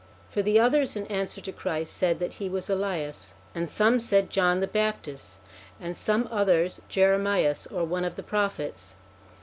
For the others in answer to Christ said that he was Elias, and some said John the Baptist, and some others Jeremias or one of the Prophets.